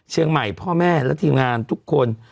เชียงใหม่พ่อแม่และทีมงานทุกคน